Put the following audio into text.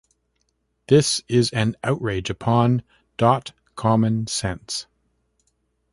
This is an outrage upon.. dot common sense.